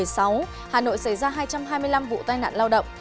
xảy ra hai trăm hai mươi năm vụ tai nạn lao động